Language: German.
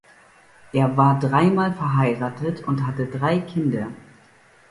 Er war dreimal verheiratet und hatte drei Kinder.